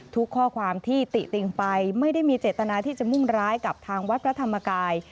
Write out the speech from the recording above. ข้อความที่ติติงไปไม่ได้มีเจตนาที่จะมุ่งร้ายกับทางวัดพระธรรมกาย